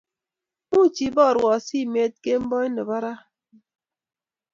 Much iborwo simet kemboi nebo raa, ga